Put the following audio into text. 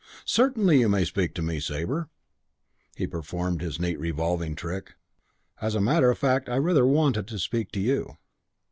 "Certainly you may speak to me, Sabre." He performed his neat revolving trick. "As a matter of fact, I rather wanted to speak to you."